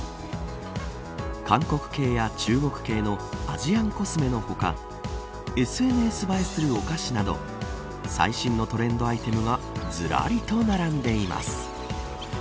韓国系や中国系のアジアンコスメの他ＳＮＳ映えするお菓子など最新のトレンドアイテムがずらりと並んでいます。